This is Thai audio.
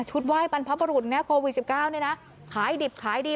ชุดไหว้ปันพระบรุษเนี่ยโควิดสิบเก้าเนี่ยนะขายดิบขายดี